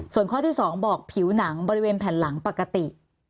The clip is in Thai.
ส่วนข้อที่๒บอกผิวหนังบริเวณแผ่นหลังปกติ